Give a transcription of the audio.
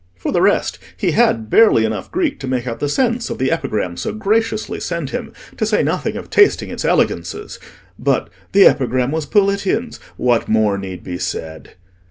For the rest, he had barely enough Greek to make out the sense of the epigram so graciously sent him, to say nothing of tasting its elegances; but—the epigram was Politian's: what more need be said?